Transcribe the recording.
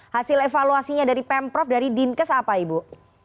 hasil evaluasinya dari pemprov dari dinkes apa ibu